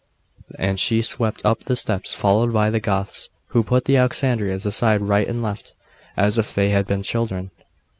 and she swept up the steps, followed by the Goths, who put the Alexandrians aside right and left, as if they had been children.